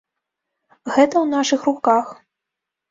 Гэта ў нашых руках.